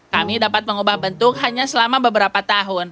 kami dapat mengubah bentuk hanya selama beberapa tahun